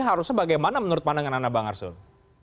harusnya bagaimana menurut pandangan anda bang arsul